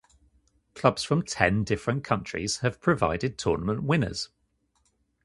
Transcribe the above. Clubs from ten different countries have provided tournament winners.